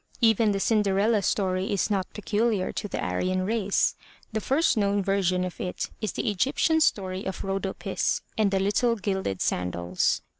Even the Cinderella story is not peculiar to the Aryan race. The first known version of it is the Egyptian story of Rhodopis and the Little Gilded Sandals.